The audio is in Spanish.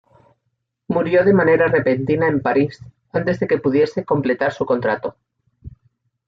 Murió de manera repentina en París, antes de que pudiese completar su contrato.